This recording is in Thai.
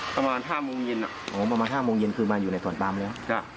ประมาณ๕โมงเย็นประมาณ๕โมงเย็นคือมาอยู่ในสวนปามแล้ว